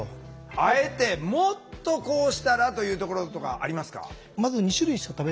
あえてもっとこうしたらというところとかありますか？